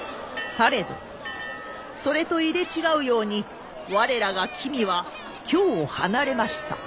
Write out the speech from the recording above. されどそれと入れ違うように我らが君は京を離れました。